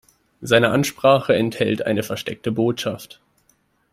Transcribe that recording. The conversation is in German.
Seine Ansprache enthält eine versteckte Botschaft.